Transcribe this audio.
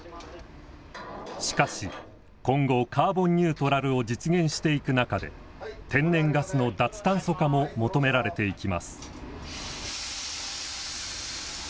しかし今後カーボンニュートラルを実現していく中で天然ガスの脱炭素化も求められていきます。